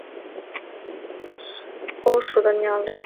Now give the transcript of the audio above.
鸥嘴噪鸥为鸥科噪鸥属的鸟类。